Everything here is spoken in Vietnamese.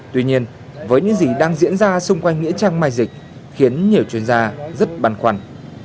tuy nhiên với những gì đang diễn ra xung quanh nghĩa trang mai dịch khiến nhiều chuyên gia rất băn khoăn